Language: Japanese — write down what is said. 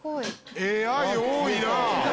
「ＡＩ多いな」